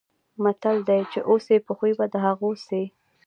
متل دی: چې اوسې په خوی به د هغو شې.